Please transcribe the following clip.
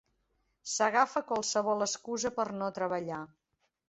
S'agafa a qualsevol excusa per no treballar.